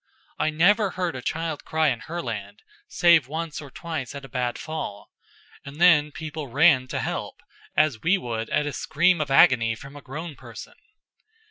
I never heard a child cry in Herland, save once or twice at a bad fall; and then people ran to help, as we would at a scream of agony from a grown person.